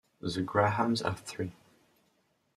The Grahams have three.